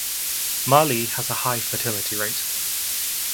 Mali has a high fertility rate.